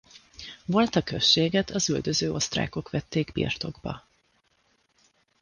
Volta községet az üldöző osztrákok vették birtokba.